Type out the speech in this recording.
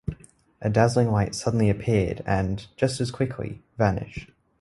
A dazzling light suddenly appeared and, just as quickly, vanished.